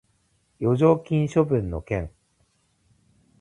剰余金処分の件